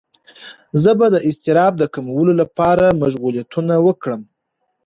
زه به د اضطراب د کمولو لپاره مشغولیتونه وکړم.